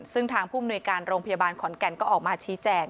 ซึ่งทางผู้มนุยการโรงพยาบาลขอนแก่นก็ออกมาชี้แจง